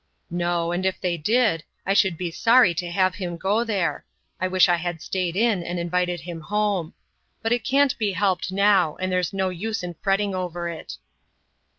"No; and if they did, I should be sorry to have him go there. I wish I had stayed in, and invited him home. But it can't be helped now, and there's no use in fretting over it."